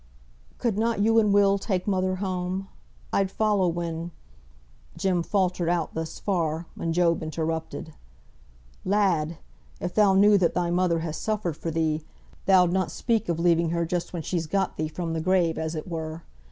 "Could not you and Will take mother home? I'd follow when " Jem faltered out thus far, when Job interrupted, "Lad! if thou knew what thy mother has suffered for thee, thou'd not speak of leaving her just when she's got thee from the grave as it were.